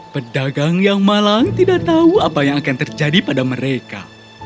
pedagang yang malang tidak tahu apa yang akan terjadi pada mereka